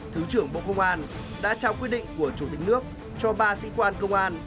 thứ trưởng bộ công an đã trao quyết định của chủ tịch nước cho ba sĩ quan công an